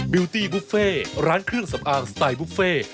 วิวตี้บุฟเฟ่ร้านเครื่องสำอางสไตล์บุฟเฟ่